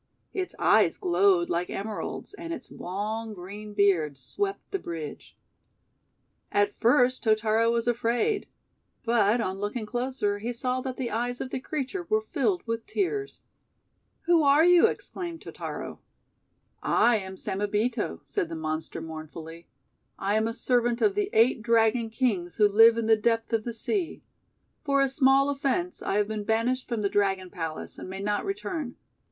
Its eyes glowed like Emeralds, and its long green beard swept the bridge. At first Totaro was afraid, but, on looking closer, he saw that the eyes of the creature were filled with tears. THE JEWEL TEARS 235 "Who are you?" exclaimed Totaro. :<I am Samebito," said the monster mourn fully. "I am a servant of the Eight Dragon Kings who live in the depth of the sea. For a small offence I have been banished from the Dragon Palace, and may not return.